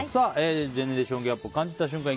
ではジェネレーションギャップを感じた瞬間。